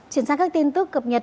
chuyển sang các tin tức cập nhật